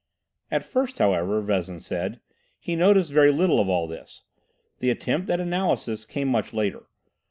At first, however, Vezin said, he noticed very little of all this. The attempt at analysis came much later.